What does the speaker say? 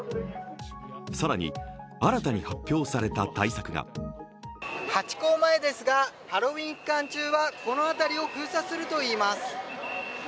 更に、新たに発表された対策がハチ公前ですが、ハロウィーン期間中はこの辺りを封鎖するといいます。